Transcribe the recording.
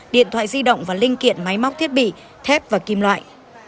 điện thoại di động và linh kiện máy móc thiết bị thép và kim loại